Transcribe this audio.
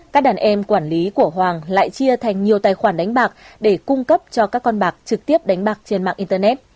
các đàn em quản lý của hoàng lại chia thành nhiều tài khoản đánh bạc để cung cấp cho các con bạc trực tiếp đánh bạc trên mạng internet